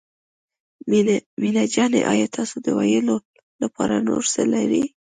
مينه جانې آيا تاسو د ويلو لپاره نور څه لرئ.